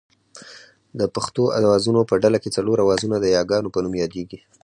د پښتو آوازونو په ډله کې څلور آوازونه د یاګانو په نوم یادېږي